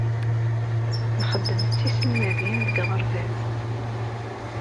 Nxeddem d tiselmadin deg uɣerbaz.